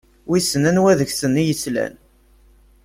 Wissen anwa deg-sen i yeslan?